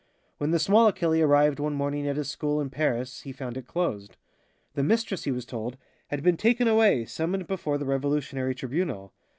When the small Achille arrived one morning at his school in Paris he found it closed. The mistress, he was told, had been taken away, summoned before the Revolutionary Tribunal.